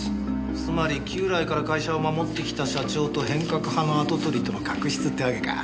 つまり旧来から会社を守ってきた社長と変革派の跡取りとの確執ってわけか？